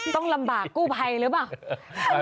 ต้องลำบากกู้ภัยหรือเปล่า